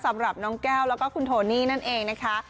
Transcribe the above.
สำหรับน้องแก้วแล้วก็คุณโทนี่นั่นเองนะคะ